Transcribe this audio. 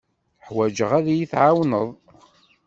Ḥwajeɣ ad iyi-tɛawneḍ.